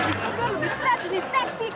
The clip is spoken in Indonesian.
lebih keras lebih seksi